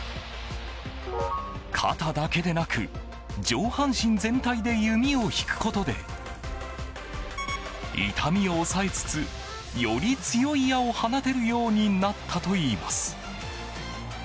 肩だけでなく上半身全体で弓を引くことで痛みを抑えつつ、より強い矢を放てるようになったといいます。